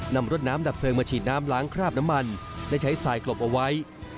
นำรถน้ำดับเพลิงมาฉีดน้ำล้างคราบน้ำมันและใช้สายกลบเอาไว้